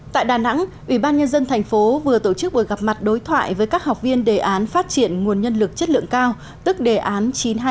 tại đà nẵng ủy ban nhân dân thành phố vừa tổ chức buổi gặp mặt đối thoại với các học viên đề án phát triển nguồn nhân lực chất lượng cao tức đề án chín trăm hai mươi năm